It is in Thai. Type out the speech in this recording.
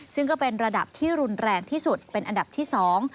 ซึ่งก็เป็นระดับที่รุนแรงที่สุดเป็นอันดับที่สอง